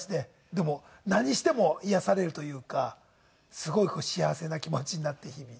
でも何しても癒やされるというかすごく幸せな気持ちになって日々。